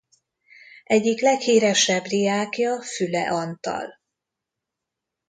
Egyik leghíresebb diákja Füle Antal.